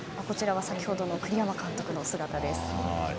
先ほどの栗山監督のお姿も。